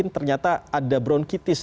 ternyata ada bronkitis